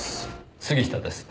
杉下です。